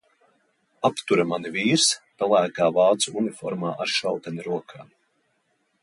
Aptura mani vīrs, pelēkā vācu uniformā ar šauteni rokā.